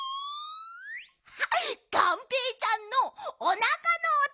がんぺーちゃんのおなかのおと！